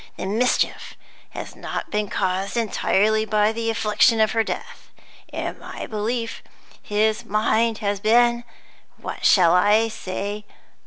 The mischief has not been caused entirely by the affliction of her death. In my belief, his mind has been what shall I say?